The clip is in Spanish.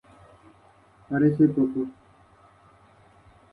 Como consecuencia de no usar la vela, la reina Eva termina muriendo.